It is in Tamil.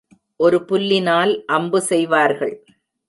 ஒரு புல்லினால் அம்பு செய்வார்கள்.